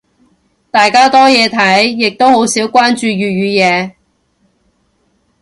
大家多嘢睇，亦都好少關注粵語嘢。